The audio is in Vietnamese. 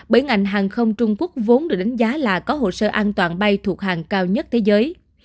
bởi ngành hàng không trung quốc vốn được đánh giá là có hồ sơ an toàn bay thuộc hàng cao nhất thế giới